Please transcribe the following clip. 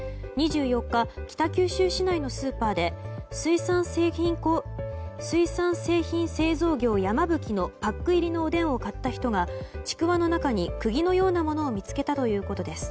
２４日、北九州市内のスーパーで水産製品製造業、山吹のパック入りのおでんを買った人がちくわの中に釘のようなものを見つけたということです。